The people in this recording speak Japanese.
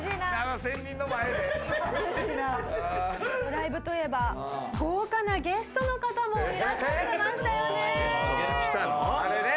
ライブといえば豪華なゲストの方もいらっしゃってましたよね。